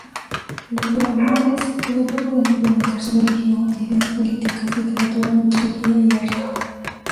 Los brahmanes todavía podían implementar su religión, ideas políticas, literatura, mitología y arte..